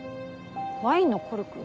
ワインのコルク？